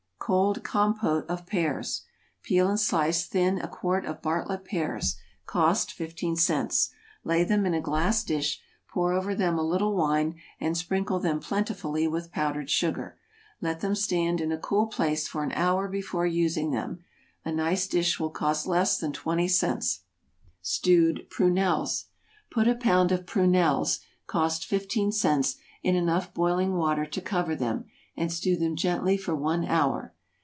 =Cold Compôte of Pears.= Peel and slice thin a quart of Bartlett pears, (cost fifteen cents,) lay them in a glass dish, pour over them a little wine, and sprinkle them plentifully with powdered sugar. Let them stand in a cool place for an hour before using them. A nice dish will cost less than twenty cents. =Stewed Prunelles.= Put a pound of prunelles, (cost fifteen cents,) in enough boiling water to cover them, and stew them gently for one hour.